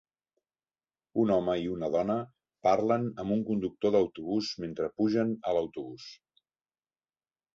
Un home i una dona parlen amb un conductor d'autobús mentre pugen a l'autobús.